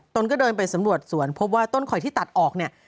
ตนก็เดินไปสำรวจสวนพบว่าต้นข่อยที่ตัดออกเนี่ย